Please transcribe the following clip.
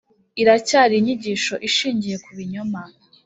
iracyari inyigisho ishingiye ku binyoma